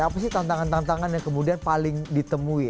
apa sih tantangan tantangan yang kemudian paling ditemui